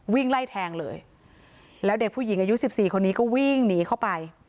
วิ่งไล่แทงเลยแล้วเด็กผู้หญิงอายุสิบสี่คนนี้ก็วิ่งหนีเข้าไป